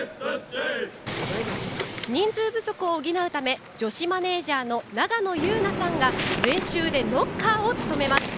人数不足を補うため女子マネージャーの永野悠菜さんが練習でノッカーを務めます。